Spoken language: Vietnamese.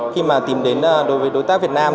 khi mà tìm đến đối tác việt nam